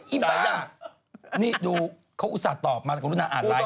อ๋ออีบ๊ายจ้ะนี่ดูเขาอุตส่าห์ตอบมาคุณรุ่นนานอ่านไลค์